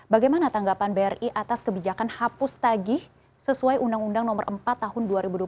bagaimana tanggapan bri atas kebijakan hapus tagih sesuai undang undang nomor empat tahun dua ribu dua puluh